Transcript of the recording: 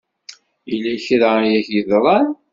Yella kra i ak-yeḍran?